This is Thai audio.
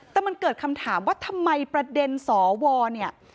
แต่มันเกิดคำถามว่าทำไมประเด็นสวเนี่ย